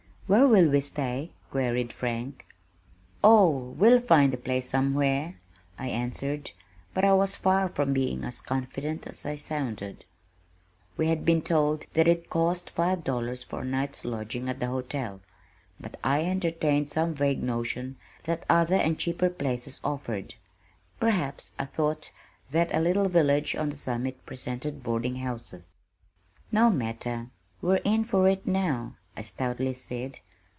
"Where will we stay?" queried Frank. "Oh, we'll find a place somewhere," I answered, but I was far from being as confident as I sounded. We had been told that it cost five dollars for a night's lodging at the hotel, but I entertained some vague notion that other and cheaper places offered. Perhaps I thought that a little village on the summit presented boarding houses. "No matter, we're in for it now," I stoutly said.